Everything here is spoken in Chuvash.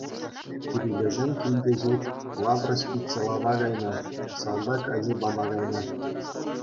Кирилесем килте ҫук, Лавраҫ пичче лава кайнӑ, салтак ачи пама кайнӑ.